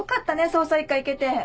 捜査一課行けて。